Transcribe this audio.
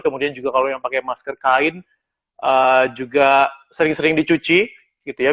kemudian juga kalau yang pakai masker kain juga sering sering dicuci gitu ya